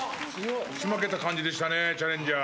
押し負けた感じでしたねチャレンジャー。